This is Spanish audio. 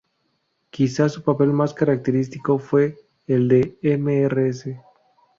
Quizás su papel más característico fue el de Mrs.